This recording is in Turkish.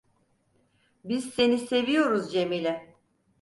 Biz seni seviyoruz Cemile!